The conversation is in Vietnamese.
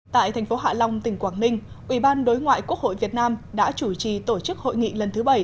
tại thành phố hạ long tỉnh quảng ninh ủy ban đối ngoại quốc hội việt nam đã chủ trì tổ chức hội nghị lần thứ bảy